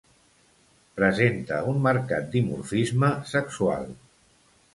Presenta un marcat dimorfisme sexual.